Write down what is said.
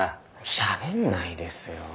しゃべんないですよ。